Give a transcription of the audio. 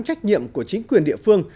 trách nhiệm của chính quyền địa phương